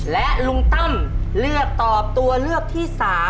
และลุงตั้มเลือกตอบตัวเลือกที่๓